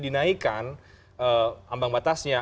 dinaikan ambang batasnya